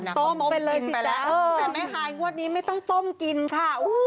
ต้มไปเลยแต่แม่ฮายงวดนี้ไม่ต้องต้มกินค่ะ